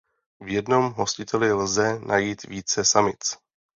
V jednom hostiteli lze najít více samic.